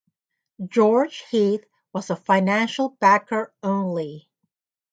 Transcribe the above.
George Heath was a financial backer only.